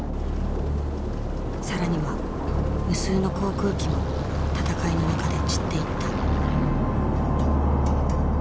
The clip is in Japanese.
更には無数の航空機も戦いの中で散っていった。